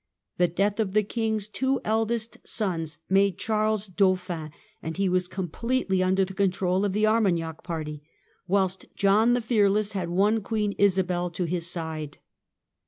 " The death of the King's two eldest sons made Charles Dauphin, and he was completely under the control of the Armagnac party, whilst John the Fearless had won Queen Isabel to his side.